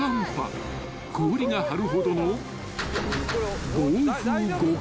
［氷が張るほどの］